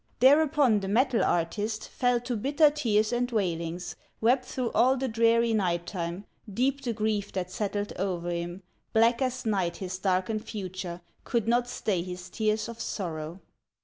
Thereupon the metal artist Fell to bitter tears and wailings, Wept through all the dreary night time, Deep the grief that settled o'er him, Black as night his darkened future, Could not stay his tears of sorrow.